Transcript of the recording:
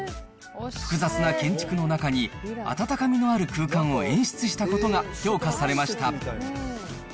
複雑な建築の中に、温かみのある空間を演出したことが評価されました。